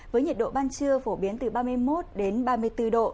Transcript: với nhiệt độ ban trưa phổ biến từ ba mươi một đến ba mươi bốn độ